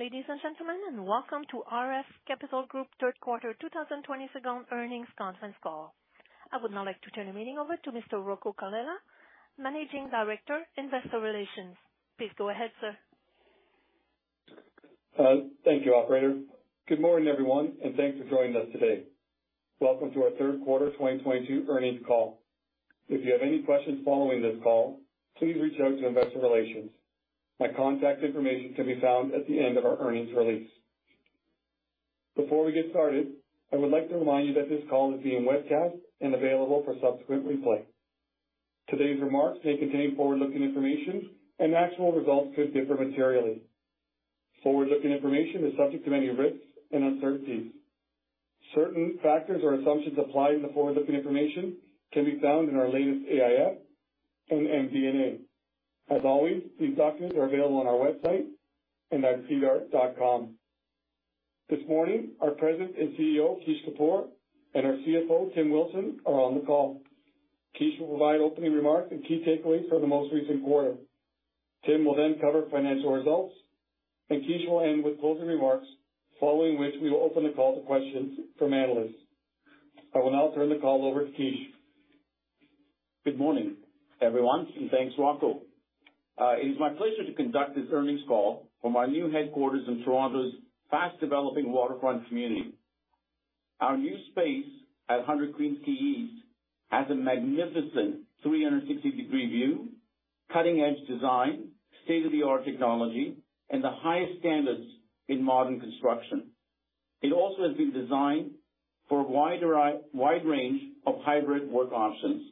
Ladies and gentlemen, welcome to RF Capital Group third quarter 2022 earnings conference call. I would now like to turn the meeting over to Mr. Rocco Colella, Managing Director, Investor Relations. Please go ahead, sir. Thank you, operator. Good morning, everyone, and thanks for joining us today. Welcome to our third quarter 2022 earnings call. If you have any questions following this call, please reach out to Investor Relations. My contact information can be found at the end of our earnings release. Before we get started, I would like to remind you that this call is being webcast and available for subsequent replay. Today's remarks may contain forward-looking information and actual results could differ materially. Forward-looking information is subject to many risks and uncertainties. Certain factors or assumptions applied in the forward-looking information can be found in our latest AIF and MD&A. As always, these documents are available on our website and at sedar.com. This morning, our President and CEO, Kishore Kapoor, and our CFO, Tim Wilson, are on the call. Kishore will provide opening remarks and key takeaways for the most recent quarter. Tim will then cover financial results, and Kishore will end with closing remarks, following which we will open the call to questions from analysts. I will now turn the call over to Kishore. Good morning, everyone, and thanks, Rocco. It is my pleasure to conduct this earnings call from our new headquarters in Toronto's fast-developing waterfront community. Our new space at 100 Queens Quay East has a magnificent 360-degree view, cutting-edge design, state-of-the-art technology, and the highest standards in modern construction. It also has been designed for a wide range of hybrid work options.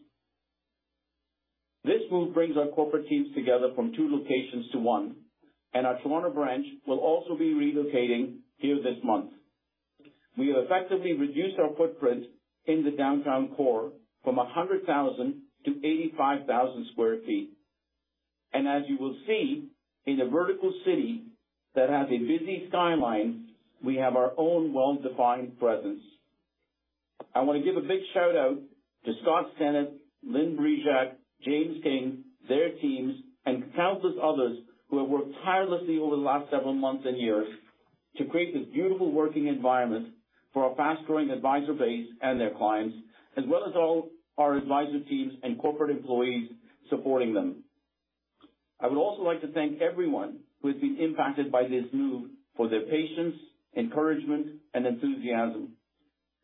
This move brings our corporate teams together from two locations to one, and our Toronto branch will also be relocating here this month. We have effectively reduced our footprint in the downtown core from 100,000 to 85,000 sq ft. As you will see in a vertical city that has a busy skyline, we have our own well-defined presence. I wanna give a big shout-out to Scott Stennett, Lynne Brejak, James King, their teams, and countless others who have worked tirelessly over the last several months and years to create this beautiful working environment for our fast-growing advisor base and their clients, as well as all our advisor teams and corporate employees supporting them. I would also like to thank everyone who has been impacted by this move for their patience, encouragement, and enthusiasm.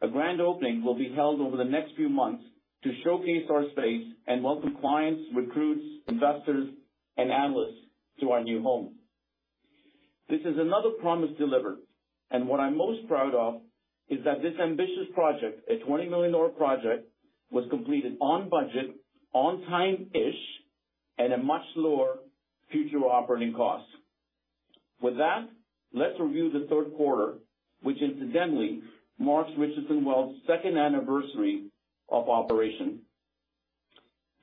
A grand opening will be held over the next few months to showcase our space and welcome clients, recruits, investors, and analysts to our new home. This is another promise delivered, and what I'm most proud of is that this ambitious project, a 20 million dollar project, was completed on budget, on time-ish, at a much lower future operating cost. With that, let's review the third quarter, which incidentally marks Richardson Wealth's second anniversary of operation.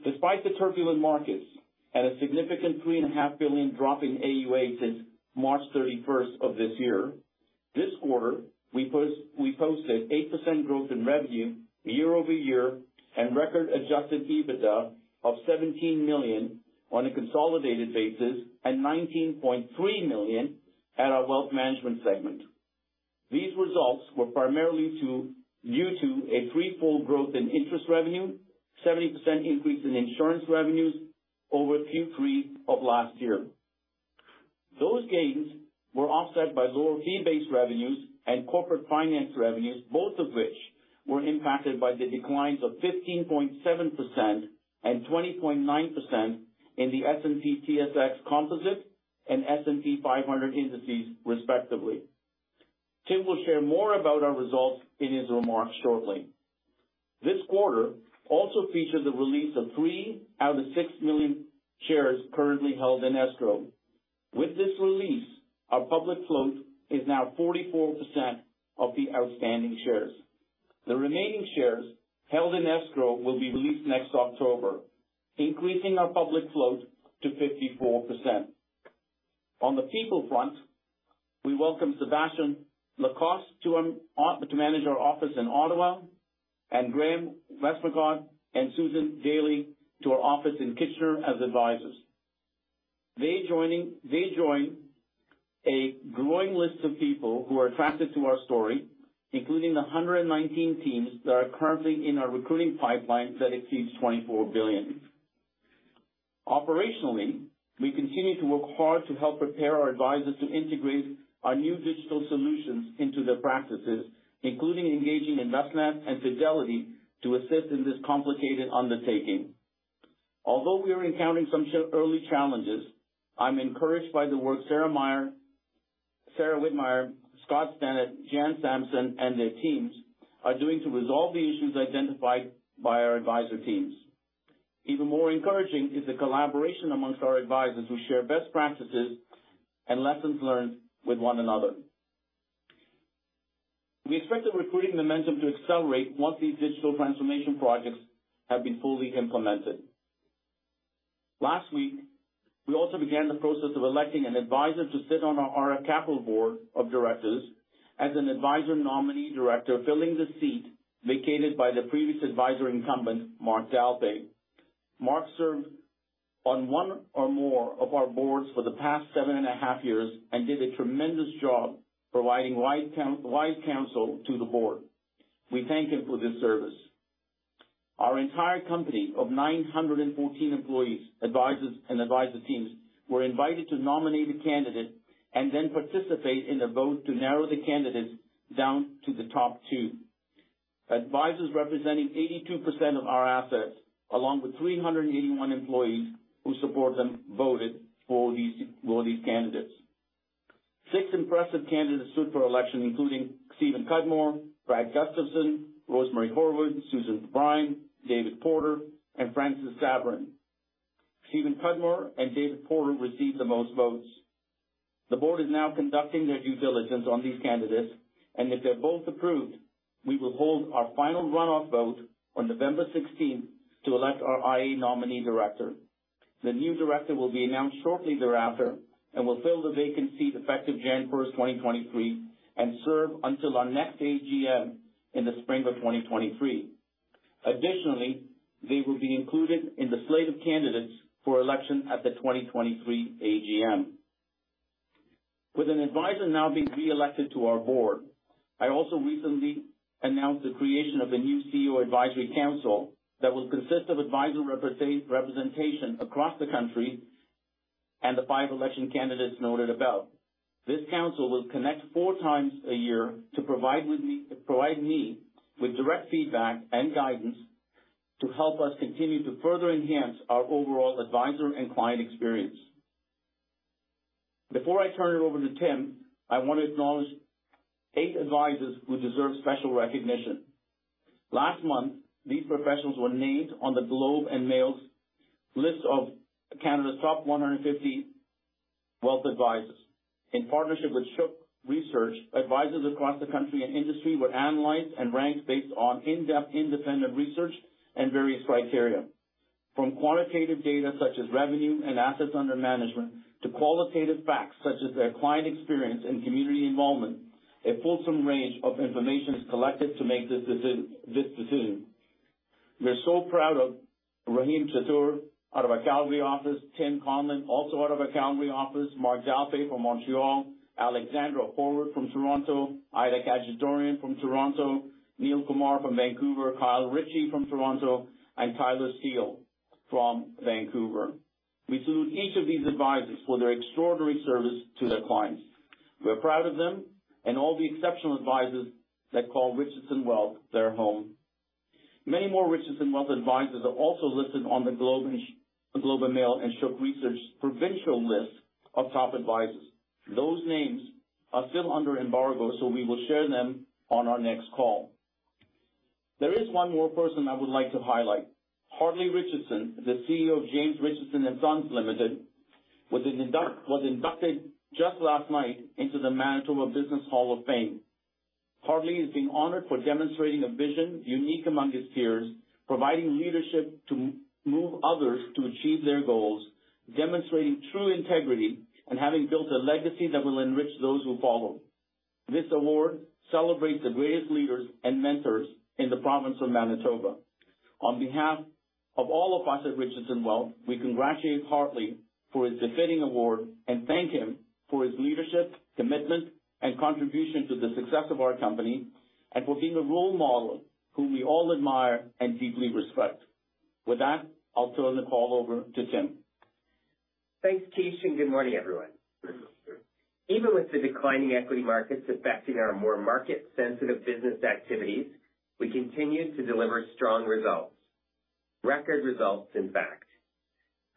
Despite the turbulent markets and a significant 3.5 billion drop in AUA since March 31 of this year, this quarter we posted 8% growth in revenue year-over-year, and record Adjusted EBITDA of 17 million on a consolidated basis and 19.3 million at our wealth management segment. These results were primarily due to a threefold growth in interest revenue, 70% increase in insurance revenues over Q3 of last year. Those gains were offset by lower fee-based revenues and corporate finance revenues, both of which were impacted by the declines of 15.7% and 20.9% in the S&P/TSX Composite Index and S&P 500 Indices, respectively. Tim will share more about our results in his remarks shortly. This quarter also features the release of 3 out of 6 million shares currently held in escrow. With this release, our public float is now 44% of the outstanding shares. The remaining shares held in escrow will be released next October, increasing our public float to 54%. On the people front, we welcome Sébastien Lacoste to manage our office in Ottawa, and Graham Westmacott and Susan Daly to our office in Kitchener as advisors. They join a growing list of people who are attracted to our story, including the 119 teams that are currently in our recruiting pipeline that exceeds 24 billion. Operationally, we continue to work hard to help prepare our advisors to integrate our new digital solutions into their practices, including engaging Envestnet and Fidelity to assist in this complicated undertaking. Although we are encountering some early challenges, I'm encouraged by the work Sarah Whitmire, Scott Stennett, Jan Sampson, and their teams are doing to resolve the issues identified by our advisor teams. Even more encouraging is the collaboration among our advisors who share best practices and lessons learned with one another. We expect the recruiting momentum to accelerate once these digital transformation projects have been fully implemented. Last week, we also began the process of electing an advisor to sit on our RF Capital board of directors as an advisor nominee director, filling the seat vacated by the previous advisor incumbent, Marc Dalpé. Marc served on one or more of our boards for the past seven and a half years and did a tremendous job providing wise counsel to the board. We thank him for this service. Our entire company of 914 employees, advisors, and advisor teams were invited to nominate a candidate and then participate in a vote to narrow the candidates down to the top two. Advisors representing 82% of our assets, along with 381 employees who support them, voted for these candidates. Six impressive candidates stood for election, including Stephen Cudmore, Brad Gustafson, Rosemary Horwood, Susan Brine, David Porter, and Francis Sabourin. Stephen Cudmore and David Porter received the most votes. The board is now conducting their due diligence on these candidates, and if they're both approved, we will hold our final runoff vote on November 16 to elect our IA nominee director. The new director will be announced shortly thereafter and will fill the vacant seat effective January 1, 2023, and serve until our next AGM in the spring of 2023. Additionally, they will be included in the slate of candidates for election at the 2023 AGM. With an advisor now being re-elected to our board, I also recently announced the creation of a new CEO advisory council that will consist of advisor representation across the country and the five election candidates noted above. This council will connect four times a year to provide me with direct feedback and guidance to help us continue to further enhance our overall advisor and client experience. Before I turn it over to Tim, I want to acknowledge eight advisors who deserve special recognition. Last month, these professionals were named on The Globe and Mail's list of Canada's top 150 wealth advisors. In partnership with Shook Research, advisors across the country and industry were analyzed and ranked based on in-depth independent research and various criteria. From quantitative data, such as revenue and assets under management, to qualitative facts such as their client experience and community involvement, a fulsome range of information is collected to make this decision. We're so proud of Rahim Chatur out of our Calgary office, Tim Conlin, also out of our Calgary office, Marc Dalpé from Montreal, Alexandra Horwood from Toronto, Ida Khajadourian from Toronto, Neil Kumar from Vancouver, Kyle Richie from Toronto, and Tyler Steele from Vancouver. We salute each of these advisors for their extraordinary service to their clients. We're proud of them and all the exceptional advisors that call Richardson Wealth their home. Many more Richardson Wealth advisors are also listed on The Globe and Mail and Shook Research provincial list of top advisors. Those names are still under embargo, so we will share them on our next call. There is one more person I would like to highlight. Hartley T. Richardson, the CEO of James Richardson & Sons, Limited, was inducted just last night into the Manitoba Business Hall of Fame. Hartley is being honored for demonstrating a vision unique among his peers, providing leadership to move others to achieve their goals, demonstrating true integrity, and having built a legacy that will enrich those who follow. This award celebrates the greatest leaders and mentors in the province of Manitoba. On behalf of all of us at Richardson Wealth, we congratulate Hartley for his befitting award and thank him for his leadership, commitment, and contribution to the success of our company and for being a role model who we all admire and deeply respect. With that, I'll turn the call over to Tim. Thanks, Kishore, and good morning, everyone. Even with the declining equity markets affecting our more market-sensitive business activities, we continue to deliver strong results. Record results, in fact.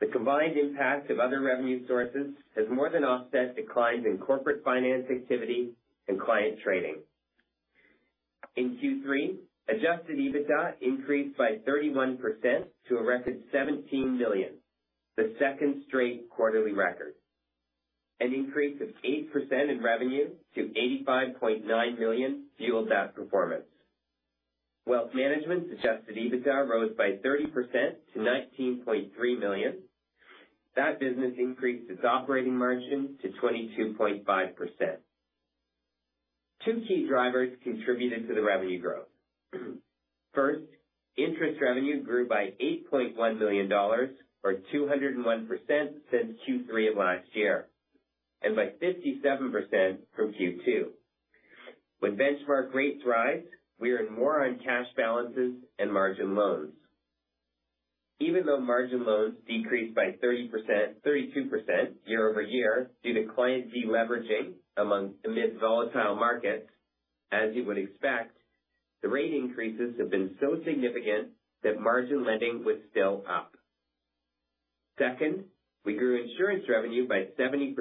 The combined impact of other revenue sources has more than offset declines in corporate finance activity and client trading. In Q3, Adjusted EBITDA increased by 31% to a record 17 million, the second straight quarterly record. An increase of 8% in revenue to 85.9 million fueled that performance. Wealth management Adjusted EBITDA rose by 30% to 19.3 million. That business increased its operating margin to 22.5%. Two key drivers contributed to the revenue growth. First, interest revenue grew by 8.1 million dollars, or 201% since Q3 of last year, and by 57% from Q2. When benchmark rates rise, we earn more on cash balances and margin loans. Even though margin loans decreased by 30%, 32% year-over-year due to client deleveraging amid volatile markets, as you would expect, the rate increases have been so significant that margin lending was still up. Second, we grew insurance revenue by 70%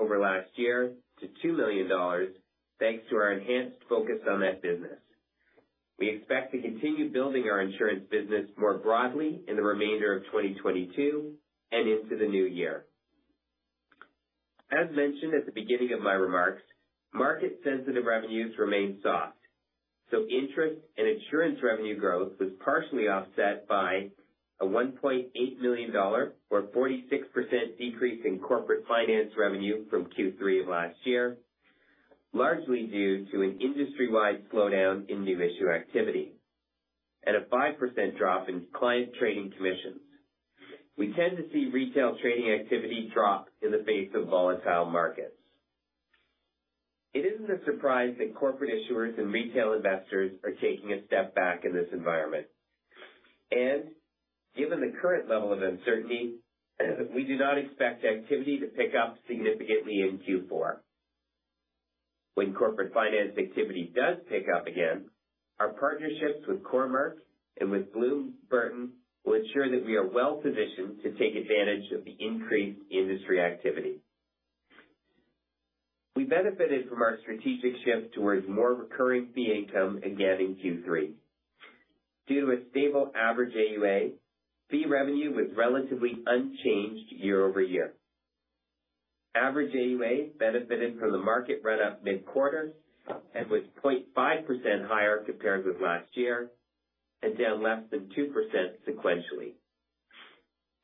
over last year to 2 million dollars, thanks to our enhanced focus on that business. We expect to continue building our insurance business more broadly in the remainder of 2022 and into the new year. As mentioned at the beginning of my remarks, market-sensitive revenues remain soft, so interest and insurance revenue growth was partially offset by a 1.8 million dollar or 46% decrease in corporate finance revenue from Q3 of last year. Largely due to an industry-wide slowdown in new issue activity and a 5% drop in client trading commissions. We tend to see retail trading activity drop in the face of volatile markets. It isn't a surprise that corporate issuers and retail investors are taking a step back in this environment. Given the current level of uncertainty, we do not expect activity to pick up significantly in Q4. When corporate finance activity does pick up again, our partnerships with Cormark and with Bloom Burton will ensure that we are well-positioned to take advantage of the increased industry activity. We benefited from our strategic shift towards more recurring fee income again in Q3. Due to a stable average AUA, fee revenue was relatively unchanged year-over-year. Average AUA benefited from the market run-up mid-quarter and was 0.5% higher compared with last year and down less than 2% sequentially.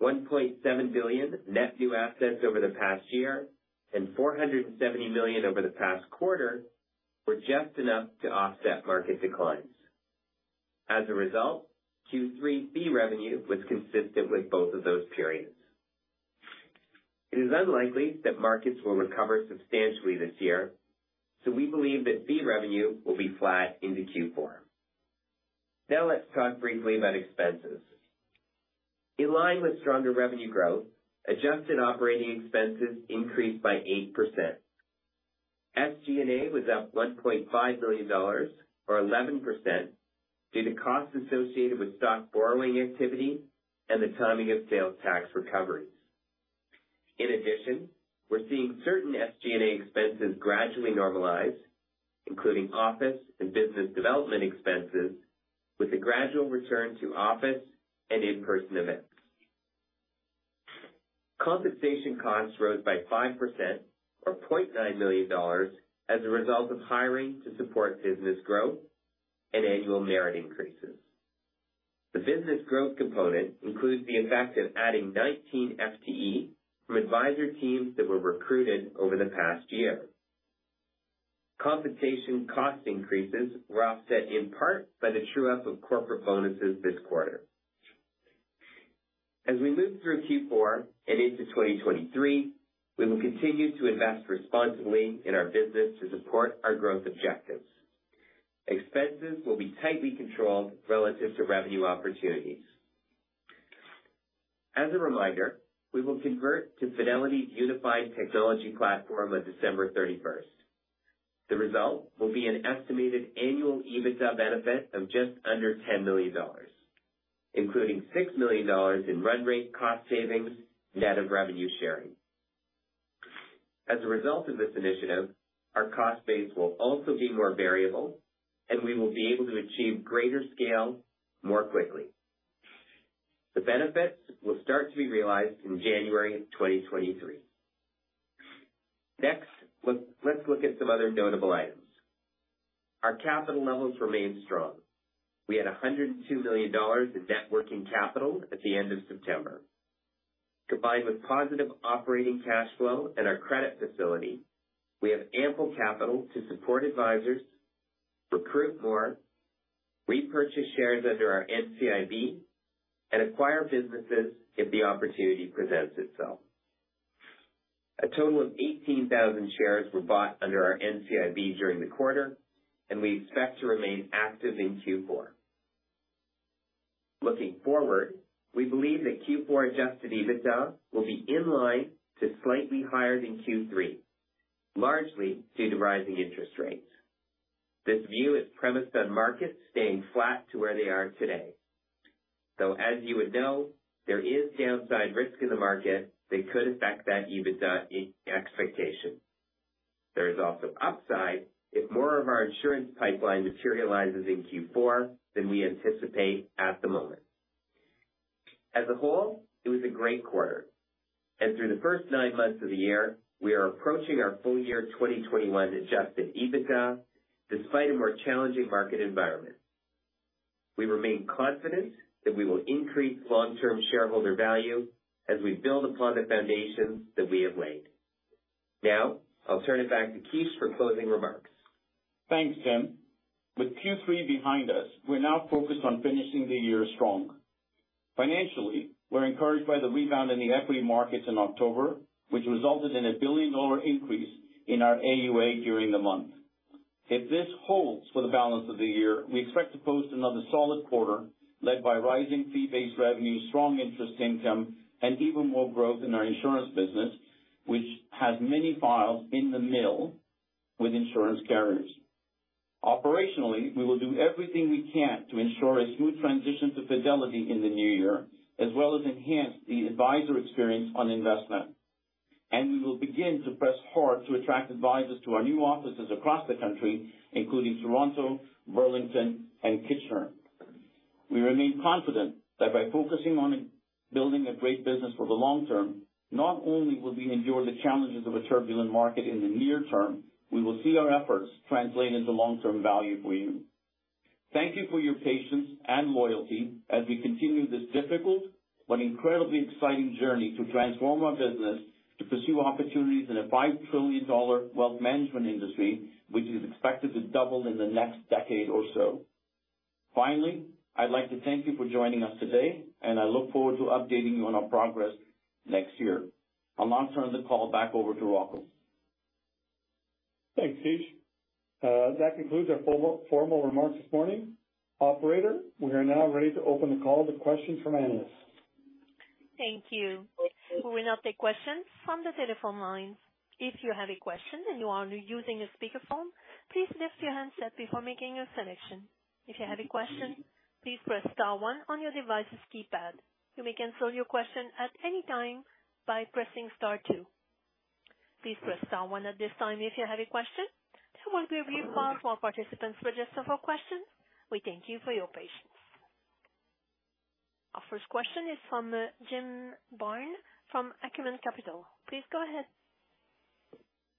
1.7 billion net new assets over the past year and 470 million over the past quarter were just enough to offset market declines. As a result, Q3 fee revenue was consistent with both of those periods. It is unlikely that markets will recover substantially this year, so we believe that fee revenue will be flat into Q4. Now let's talk briefly about expenses. In line with stronger revenue growth, adjusted operating expenses increased by 8%. SG&A was up 1.5 million dollars or 11% due to costs associated with stock borrowing activity and the timing of sales tax recoveries. In addition, we're seeing certain SG&A expenses gradually normalize, including office and business development expenses, with a gradual return to office and in-person events. Compensation costs rose by 5% or 0.9 million dollars as a result of hiring to support business growth and annual merit increases. The business growth component includes the effect of adding 19 FTE from advisor teams that were recruited over the past year. Compensation cost increases were offset in part by the true up of corporate bonuses this quarter. As we move through Q4 and into 2023, we will continue to invest responsibly in our business to support our growth objectives. Expenses will be tightly controlled relative to revenue opportunities. As a reminder, we will convert to Fidelity's unified technology platform on December thirty-first. The result will be an estimated annual EBITDA benefit of just under 10 million dollars, including 6 million dollars in run rate cost savings, net of revenue sharing. As a result of this initiative, our cost base will also be more variable, and we will be able to achieve greater scale more quickly. The benefits will start to be realized in January 2023. Next, let's look at some other notable items. Our capital levels remain strong. We had 102 million dollars in net working capital at the end of September. Combined with positive operating cash flow and our credit facility, we have ample capital to support advisors, recruit more, repurchase shares under our NCIB, and acquire businesses if the opportunity presents itself. A total of 18,000 shares were bought under our NCIB during the quarter, and we expect to remain active in Q4. Looking forward, we believe that Q4 Adjusted EBITDA will be in line to slightly higher than Q3, largely due to rising interest rates. This view is premised on markets staying flat to where they are today. Though, as you would know, there is downside risk in the market that could affect that EBITDA expectation. There is also upside if more of our insurance pipeline materializes in Q4 than we anticipate at the moment. As a whole, it was a great quarter, and through the first nine months of the year, we are approaching our full year 2021 Adjusted EBITDA despite a more challenging market environment. We remain confident that we will increase long-term shareholder value as we build upon the foundations that we have laid. Now, I'll turn it back to Kish for closing remarks. Thanks, Jim. With Q3 behind us, we're now focused on finishing the year strong. Financially, we're encouraged by the rebound in the equity markets in October, which resulted in a billion-dollar increase in our AUA during the month. If this holds for the balance of the year, we expect to post another solid quarter led by rising fee-based revenue, strong interest income, and even more growth in our insurance business, which has many files in the mill with insurance carriers. Operationally, we will do everything we can to ensure a smooth transition to Fidelity in the new year, as well as enhance the advisor experience on Envestnet. We will begin to press hard to attract advisors to our new offices across the country, including Toronto, Burlington, and Kitchener. We remain confident that by focusing on building a great business for the long term, not only will we endure the challenges of a turbulent market in the near term, we will see our efforts translate into long-term value for you. Thank you for your patience and loyalty as we continue this difficult but incredibly exciting journey to transform our business to pursue opportunities in a 5 trillion dollar wealth management industry, which is expected to double in the next decade or so. Finally, I'd like to thank you for joining us today, and I look forward to updating you on our progress next year. I'll now turn the call back over to Rocco. Thanks, Kishore. That concludes our formal remarks this morning. Operator, we are now ready to open the call to questions from analysts. Thank you. We will now take questions from the telephone lines. If you have a question and you are using a speakerphone, please lift your handset before making a selection. If you have a question, please press star one on your device's keypad. You may cancel your question at any time by pressing star two. Please press star one at this time if you have a question. This will give me time for our participants to register for questions. We thank you for your patience. Our first question is from Jim Byrne from Acumen Capital Partners. Please go ahead.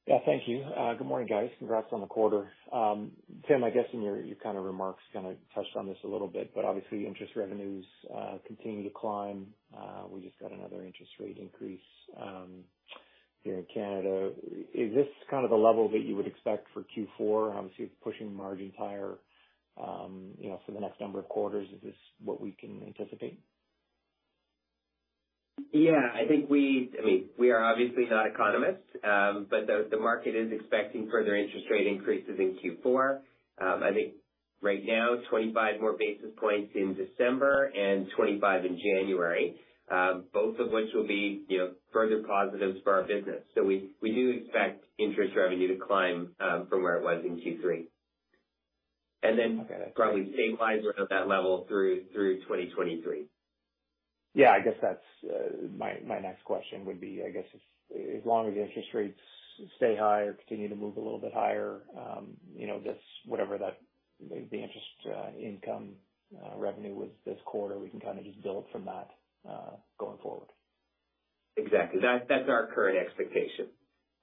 Yeah, thank you. Good morning, guys. Congrats on the quarter. Tim, I guess in your kind of remarks, you kinda touched on this a little bit, but obviously interest revenues continue to climb. We just got another interest rate increase here in Canada. Is this kind of the level that you would expect for Q4 obviously pushing margins higher, you know, for the next number of quarters? Is this what we can anticipate? I think we are obviously not economists, but the market is expecting further interest rate increases in Q4. I think right now, 25 more basis points in December and 25 in January, both of which will be, you know, further positives for our business. We do expect interest revenue to climb from where it was in Q3. Okay. Probably stabilize around that level through 2023. Yeah, I guess that's my next question would be, I guess, as long as interest rates stay high or continue to move a little bit higher, you know, this, whatever the interest income revenue was this quarter, we can kinda just build from that going forward. Exactly. That's our current expectation.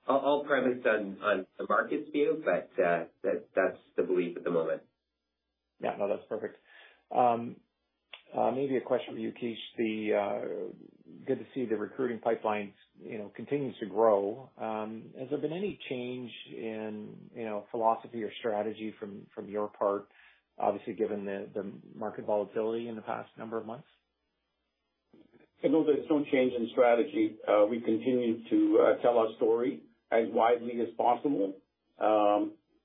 All premised on the market's view, but that's the belief at the moment. Yeah. No, that's perfect. Maybe a question for you, Kishore. It's good to see the recruiting pipeline, you know, continues to grow. Has there been any change in, you know, philosophy or strategy from your part, obviously, given the market volatility in the past number of months? No, there's no change in strategy. We continue to tell our story as widely as possible,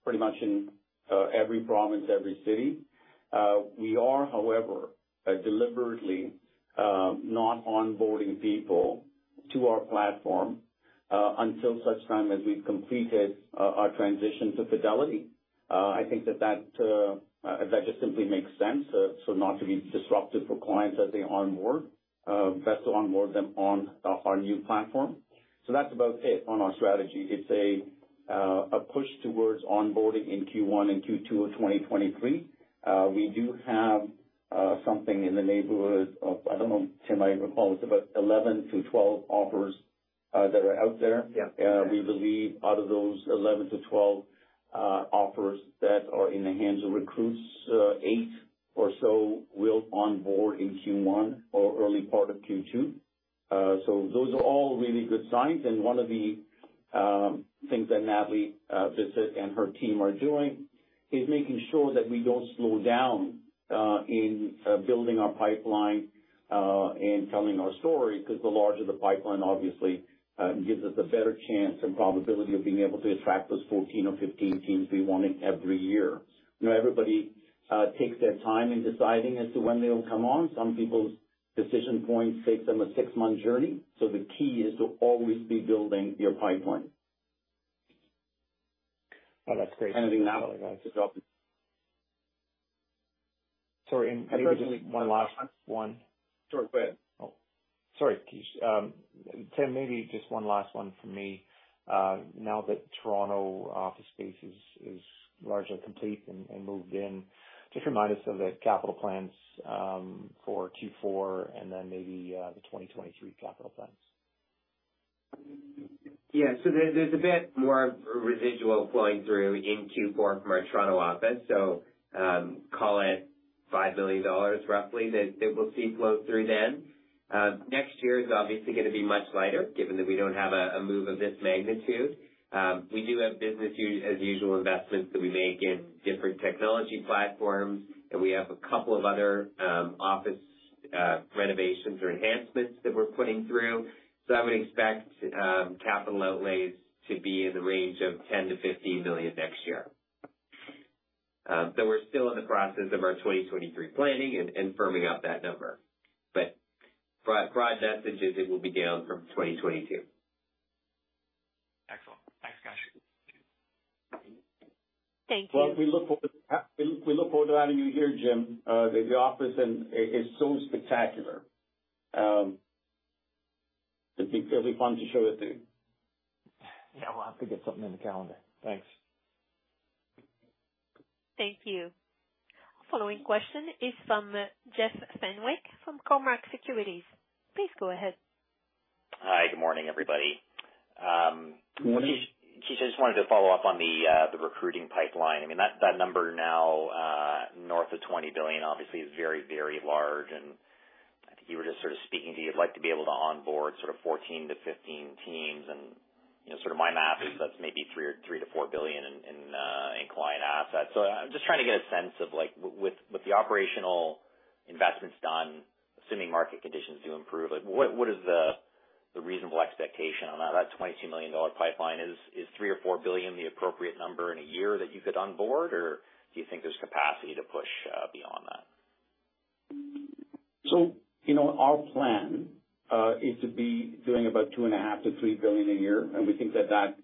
pretty much in every province, every city. We are, however, deliberately not onboarding people to our platform until such time as we've completed our transition to Fidelity. I think that just simply makes sense, so not to be disruptive for clients as they onboard, best to onboard them on our new platform. That's about it on our strategy. It's a push towards onboarding in Q1 and Q2 of 2023. We do have something in the neighborhood of, I don't know, Tim, I recall it's about 11-12 offers that are out there. Yeah. We believe out of those 11-12 offers that are in the hands of recruits, eight or so will onboard in Q1 or early part of Q2. Those are all really good signs. One of the things that Natalie visit and her team are doing is making sure that we don't slow down in building our pipeline and telling our story, because the larger the pipeline obviously gives us a better chance and probability of being able to attract those 14 or 15 teams we wanted every year. You know, everybody takes their time in deciding as to when they'll come on. Some people's decision points takes them a 6-month journey. The key is to always be building your pipeline. Oh, that's great. Anything to add to that? Sorry. Maybe just one last one. Sure. Go ahead. Oh, sorry, Kishore. Tim, maybe just one last one from me. Now that Toronto office space is largely complete and moved in, just remind us of the capital plans for Q4 and then maybe the 2023 capital plans. Yeah. There’s a bit more residual flowing through in Q4 from our Toronto office, so call it 5 billion dollars roughly that we’ll see flow through then. Next year is obviously gonna be much lighter given that we don’t have a move of this magnitude. We do have business as usual investments that we make in different technology platforms, and we have a couple of other office renovations or enhancements that we’re putting through. I would expect capital outlays to be in the range of 10 million-15 million next year. We’re still in the process of our 2023 planning and firming up that number, but broad message is it will be down from 2022. Excellent. Thanks, guys. Thank you. Well, we look forward to having you here, Jim, the office and it's so spectacular. It'd be fairly fun to show it to you. Yeah. We'll have to get something in the calendar. Thanks. Thank you. Following question is from Jeff Fenwick, from Cormark Securities. Please go ahead. Hi, good morning, everybody. Good morning. Kishore Kapoor, I just wanted to follow up on the recruiting pipeline. I mean, that number now north of 20 billion obviously is very, very large. I think you were just sort of speaking to you'd like to be able to onboard sort of 14-15 teams. You know, sort of my math is that's maybe 3 billion-4 billion in client assets. I'm just trying to get a sense of like with the operational investments done, assuming market conditions do improve, like what is the reasonable expectation on that. That 22 billion dollar pipeline. Is 3 billion-4 billion the appropriate number in a year that you could onboard or do you think there's capacity to push beyond that? You know, our plan is to be doing about 2.5 billion-3 billion a year, and we think that that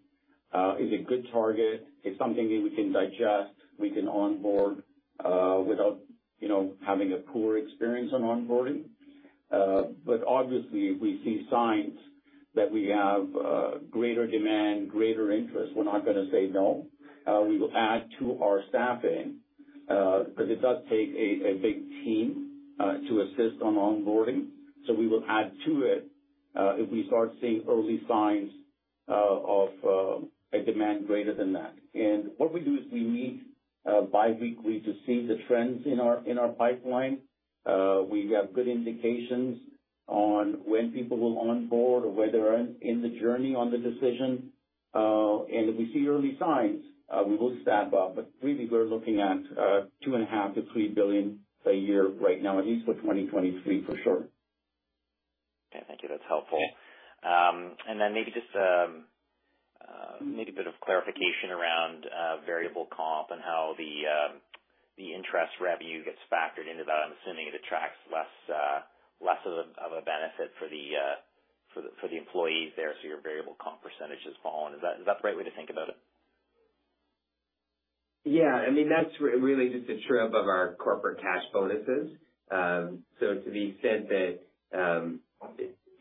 is a good target. It's something that we can digest, we can onboard without you know, having a poor experience on onboarding. Obviously if we see signs that we have greater demand, greater interest, we're not gonna say no. We will add to our staffing because it does take a big team to assist on onboarding. We will add to it if we start seeing early signs of a demand greater than that. What we do is we meet biweekly to see the trends in our pipeline. We have good indications on when people will onboard or where they're in the journey on the decision. If we see early signs, we will staff up. Really, we're looking at 2.5 billion-3 billion a year right now, at least for 2023 for sure. Okay. Thank you. That's helpful. Maybe a bit of clarification around variable comp and how the interest revenue gets factored into that. I'm assuming it attracts less of a benefit for the employees there, so your variable comp percentage has fallen. Is that the right way to think about it? Yeah, I mean, that's really just a true up of our corporate cash bonuses. To the extent that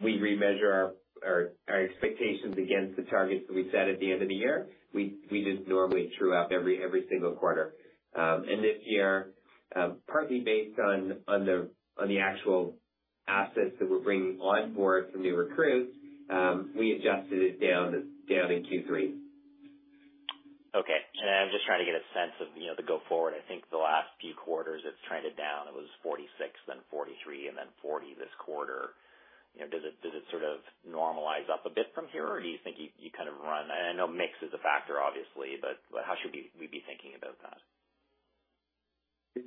we remeasure our expectations against the targets that we set at the end of the year, we just normally true up every single quarter. This year, partly based on the actual assets that we're bringing onboard from new recruits, we adjusted it down in Q3. Okay. I'm just trying to get a sense of, you know, the going forward. I think the last few quarters it's trended down. It was 46%, then 43%, and then 40% this quarter. You know, does it sort of normalize up a bit from here, or do you think you kind of run. I know mix is a factor obviously, but how should we be thinking about that?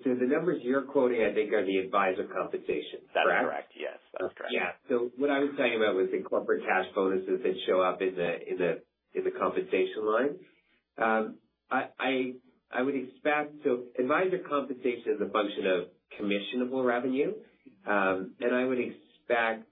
The numbers you're quoting, I think are the advisor compensation, is that correct? That's correct. Yes. That's correct. Yeah. What I was telling you about was the corporate cash bonuses that show up in the compensation line. I would expect advisor compensation is a function of commissionable revenue, and I would expect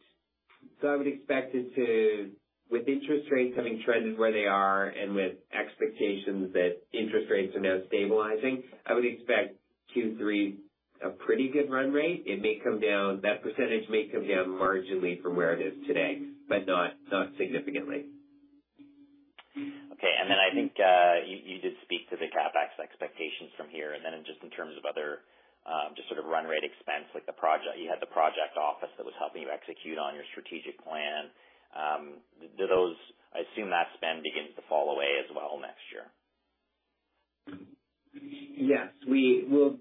it to, with interest rates having trended where they are and with expectations that interest rates are now stabilizing, I would expect Q3 a pretty good run rate. It may come down. That percentage may come down marginally from where it is today, but not significantly. Okay. I think you did speak to the CapEx expectations from here. Just in terms of other, just sort of run rate expense, like the project, you had the project office that was helping you execute on your strategic plan. Do those, I assume that spend begins to fall away as well next year. Yes. We'll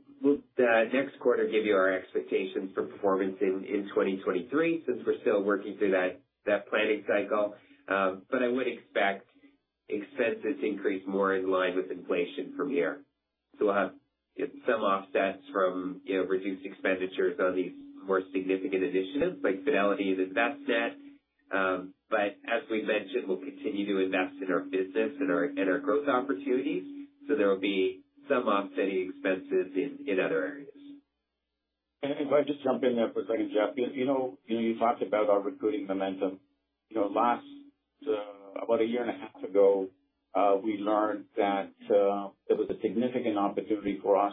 next quarter give you our expectations for performance in 2023 since we're still working through that planning cycle. I would expect expenses increase more in line with inflation from here. We'll have some offsets from, you know, reduced expenditures on these more significant initiatives like Fidelity and Envestnet. As we've mentioned, we'll continue to invest in our business and our growth opportunities. There will be some offsetting expenses in other areas. If I just jump in there for a second, Jeff, you know, you talked about our recruiting momentum. You know, last about a year and a half ago, we learned that there was a significant opportunity for us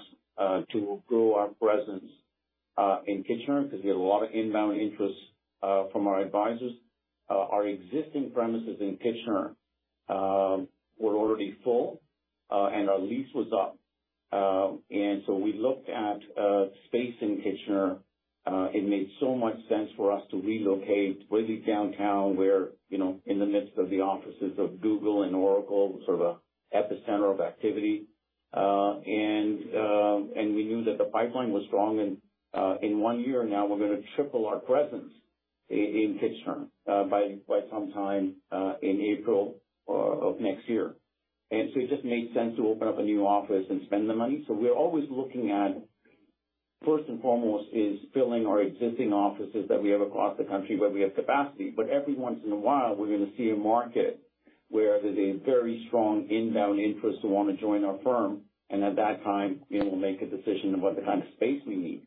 to grow our presence in Kitchener because we had a lot of inbound interest from our advisors. Our existing premises in Kitchener were already full, and our lease was up. We looked at space in Kitchener. It made so much sense for us to relocate really downtown where, you know, in the midst of the offices of Google and Oracle, sort of an epicenter of activity. We knew that the pipeline was strong. In one year now we're gonna triple our presence in Kitchener by sometime in April of next year. It just made sense to open up a new office and spend the money. We're always looking at, first and foremost, is filling our existing offices that we have across the country where we have capacity. Every once in a while we're gonna see a market where there's a very strong inbound interest to wanna join our firm, and at that time, you know, we'll make a decision about the kind of space we need.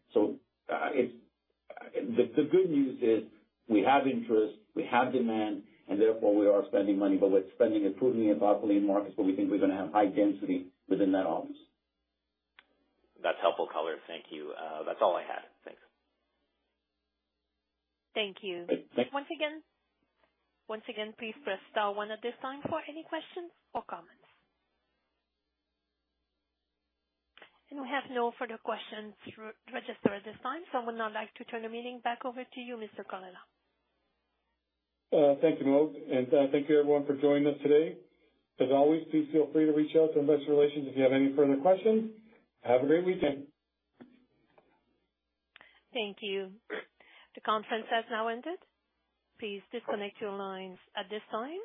It's. The good news is we have interest, we have demand, and therefore we are spending money, but we're spending it prudently and thoughtfully in markets where we think we're gonna have high density within that office. That's helpful color. Thank you. That's all I had. Thanks. Thank you. Thanks. Once again, please press star one at this time for any questions or comments. We have no further questions registered at this time, so I would now like to turn the meeting back over to you, Mr. Colella. Thank you, Maude. Thank you everyone for joining us today. As always, please feel free to reach out to investor relations if you have any further questions. Have a great weekend. Thank you. The conference has now ended. Please disconnect your lines at this time,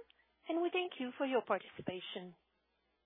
and we thank you for your participation.